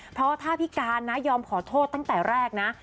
เพราะถ้าพิการนะยอมขอโทษตั้งแต่แรกนะ